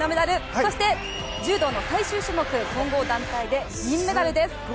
そして柔道の最終種目混合団体で銀メダルです。